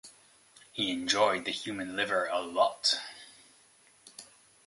He enjoyed the human liver a lot.